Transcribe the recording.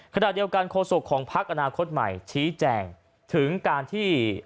ขณะเดียวกันโฆษกของพักอนาคตใหม่ชี้แจงถึงการที่